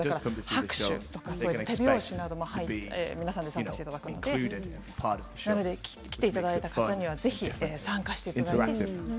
拍手とか手拍子も皆さんも参加していただくので来ていただいた方にはぜひ参加していただきたいです。